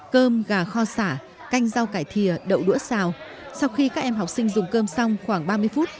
cơm gà kho xả canh rau cải thia đậu đũa xào sau khi các em học sinh dùng cơm xong khoảng ba mươi phút